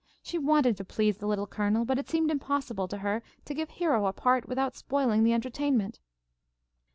She wanted to please the Little Colonel, but it seemed impossible to her to give Hero a part without spoiling the entertainment.